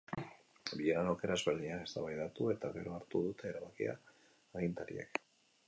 Bileran aukera ezberdinak eztabaidatu eta gero hartu dute erabakia agintariek.